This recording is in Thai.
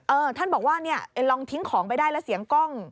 ท่านบอกว่าเนี่ยลองทิ้งของไปได้แล้วเสียงกล้อง